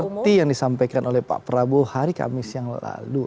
seperti yang disampaikan oleh pak prabowo hari kamis yang lalu